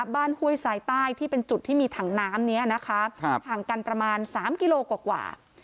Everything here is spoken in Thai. บ้านห้วยสายใต้ที่เป็นจุดที่มีถังน้ำนี้นะครับครับถังกันประมาณสามกิโลกว่ากว่า